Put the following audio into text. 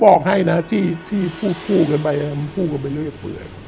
บอกให้นะที่พูดพูดกันไปพูดกันไปเรื่อย